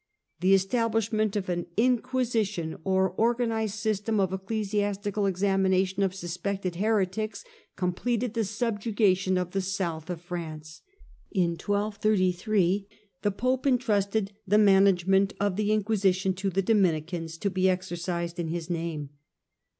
The establishment of an "Inquisition" or organized system of ecclesiastical examination of suspected heretics completed the subjugation of the South of France. In 1233 the Pope entrusted the management of the Inquisition to the Dominicans, to be exercised in his name.